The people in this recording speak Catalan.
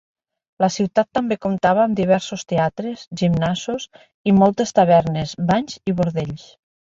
La ciutat també comptava amb diversos teatres, gimnasos i moltes tavernes, banys i bordells.